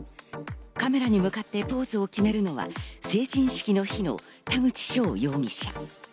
カメラに向かってポーズを決めるのは、成人式の日の田口翔容疑者。